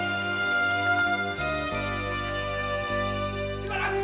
・しばらく！